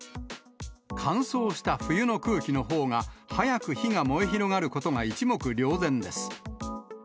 乾燥した冬の空気のほうが、早く火が燃え広がることが一目瞭然です。